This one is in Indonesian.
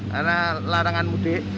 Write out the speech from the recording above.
karena larangan mudik